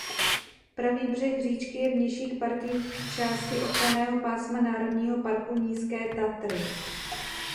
Pravý břeh říčky je v nižších partiích části ochranného pásma Národního parku Nízké Tatry.